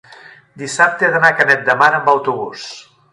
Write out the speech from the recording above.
dissabte he d'anar a Canet de Mar amb autobús.